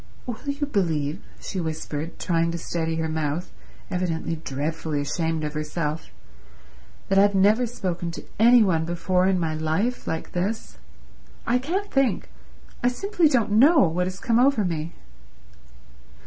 "Will you believe," she whispered, trying to steady her mouth, evidently dreadfully ashamed of herself, "that I've never spoken to any one before in my life like this? I can't think, I simply don't know, what has come over me."